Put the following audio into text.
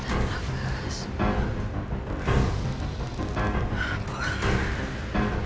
alnya gak bisa tuh